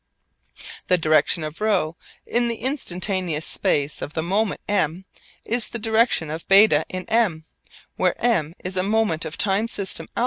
The direction of ρ in the instantaneous space of the moment M is the direction of β in M, where M is a moment of time system α.